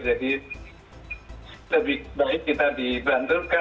jadi lebih baik kita dibantukan